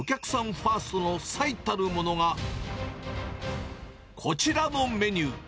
ファーストの最たるものが、こちらのメニュー。